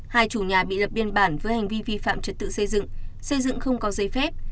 hai chủ nhà bị lập biên bản với hành vi vi phạm trật tự xây dựng xây dựng không có giấy phép